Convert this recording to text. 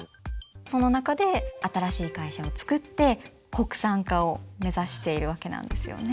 その中で新しい会社をつくって国産化を目指しているわけなんですよね。